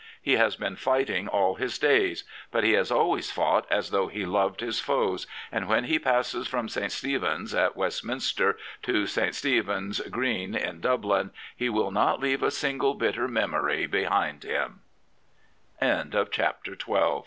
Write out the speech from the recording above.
He has been fighting all his days, but he has always fought as though he loved his foes, and when he passes from St. Stephen's at Westminster to St. Stephen's Green in Dublin, he will not leave a single bitter me